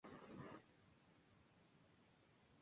Esto permite incluso virajes en invertido.